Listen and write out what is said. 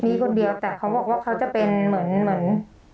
มีคนเดียวแต่เขาบอกว่าเขาจะเป็นเหมือน